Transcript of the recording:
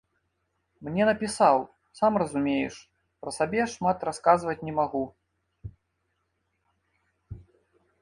Мне напісаў, сам разумееш, пра сабе шмат расказаць не магу.